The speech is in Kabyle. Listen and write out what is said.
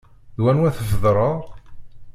D wanwa tefḍreḍ?